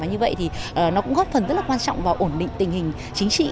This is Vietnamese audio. nó cũng góp phần rất là quan trọng vào ổn định tình hình chính trị